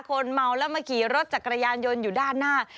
คนเมาแล้วมาขี่รถจักรยานยนต์อยู่ด้านหน้า